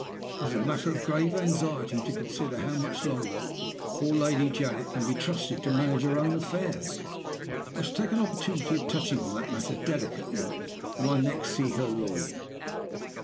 It is a matter of grave anxiety to consider how much longer poor Lady Janet can be trusted to manage her own affairs. I shall take an opportunity of touching on the matter delicately when I next see her lawyer.